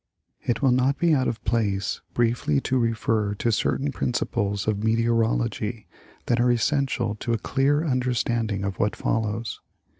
It will not be out of place briefly to refer to certain principles of meteorology that are essential to a clear understanding of what follows.